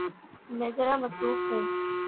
میں ذرا مصروف ہوں۔